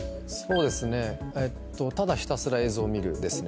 えっとただひたすら映像を見るですね。